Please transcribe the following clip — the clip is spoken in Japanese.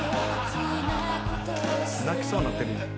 泣きそうになってる。